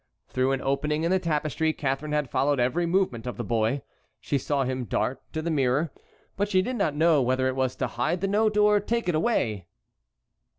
Through an opening in the tapestry Catharine had followed every movement of the boy. She saw him dart to the mirror, but she did not know whether it was to hide the note or take it away.